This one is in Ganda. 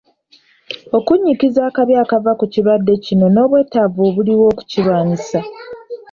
Okunnyikiza akabi akava ku kirwadde kino n'obwetaavu obuliwo okukirwanyisa.